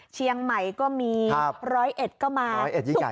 เชียงใหม่ก็มีครับรอยเอ็ดก็มารอยเอ็ดยิ่งใหญ่